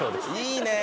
いいねえ。